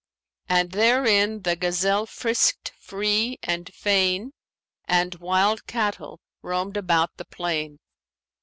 And therein the gazelle frisked free and fain and wild cattle roamed about the plain.